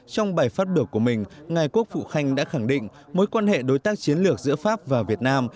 trong bài phát biểu của mình ngài quốc phụ khanh đã khẳng định mối quan hệ đối tác chiến lược giữa pháp và việt nam